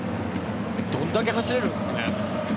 どんだけ走れるんですかね。